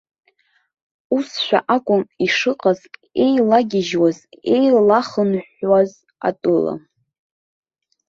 Усшәа акәын ишыҟаз еилагьежьуаз, еилахынҳәуаз атәыла.